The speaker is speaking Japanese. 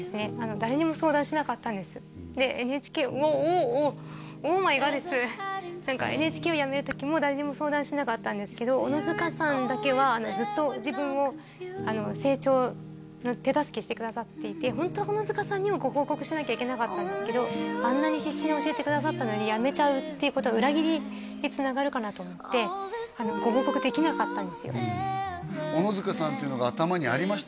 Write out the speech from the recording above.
誰にも相談しなかったんですでＮＨＫをおおおおおおオーマイガーです何かＮＨＫを辞める時も誰にも相談しなかったんですけど小野塚さんだけはずっと自分を成長の手助けしてくださっていてホントは小野塚さんにもご報告しなきゃいけなかったんですけどあんなに必死に教えてくださったのに辞めちゃうっていうことが裏切りにつながるかなと思ってご報告できなかったんですよ小野塚さんっていうのが頭にありました？